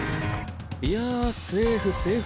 いやセーフセーフ。